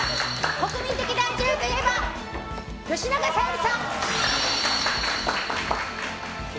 国民的大女優といえば吉永小百合！